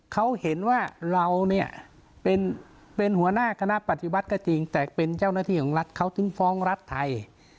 เขาเห็นว่าเราเนี่ยเป็นหัวหน้าคณะปฏิวัติก็จริงแต่เป็นเจ้าหน้าที่ของรัฐเขาถึงฟ้องรัฐไทย